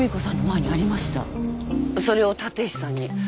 それを立石さんに。